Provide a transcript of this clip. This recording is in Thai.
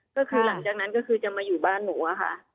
ก็คือหลังจากนั้นก็คือจะมาอยู่บ้านหนูอะค่ะ